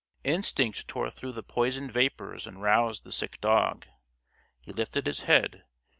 Instinct tore through the poison vapors and roused the sick dog. He lifted his head.